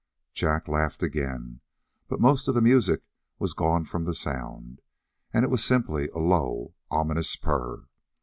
Jack laughed again, but most of the music was gone from the sound, and it was simply a low, ominous purr.